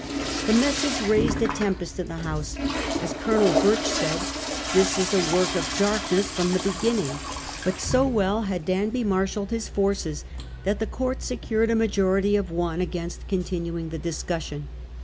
The message raised a tempest in the House. As Colonel Birch said, ' This is a work of darkness from the beginning.' But so well had Danby marshalled his forces that the court secured a majority of one against continuing the discussion.